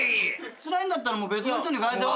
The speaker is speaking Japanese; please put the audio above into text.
つらいんだったら別の人に代えて。